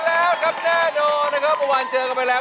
ไม่แน่โดยนะครับประวัติเจอกันไปแล้ว